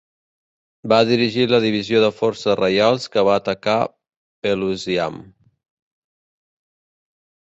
Va dirigir la divisió de forces reials que va atacar Pelusium.